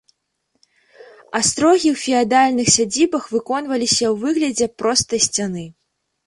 Астрогі ў феадальных сядзібах выконваліся ў выглядзе простай сцяны.